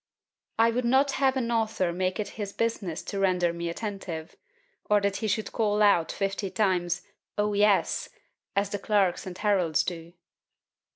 I would not have an author make it his business to render me attentive; or that he should cry out fifty times O yes! as the clerks and heralds do.